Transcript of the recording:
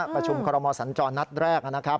ประชุมคอรมอสัญจรนัดแรกนะครับ